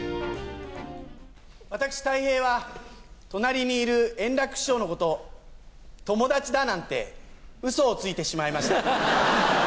私、たい平は、隣にいる円楽師匠のこと、友達だなんてうそをついてしまいました。